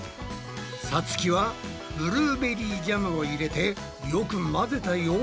さつきはブルーベリージャムを入れてよく混ぜたヨーグルトを。